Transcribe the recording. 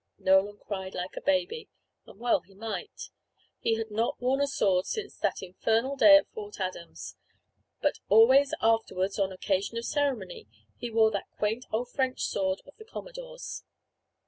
Nolan cried like a baby, and well he might. He had not worn a sword since that infernal day at Fort Adams. But always afterwards on occasions of ceremony, he wore that quaint old French sword of the commodore's.